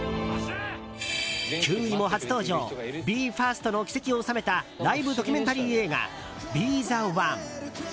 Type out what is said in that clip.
９位も初登場ＢＥ：ＦＩＲＳＴの軌跡を収めたライブドキュメンタリー映画「ＢＥ：ｔｈｅＯＮＥ」。